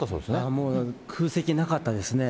もう空席なかったですね。